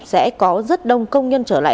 sẽ có rất đông công nhân trở lại